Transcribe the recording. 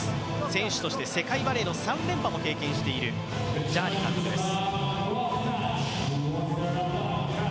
選手として世界バレーの３連覇を経験している監督です。